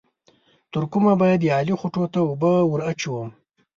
تر کومه به د علي خوټو ته اوبه ور اچوم؟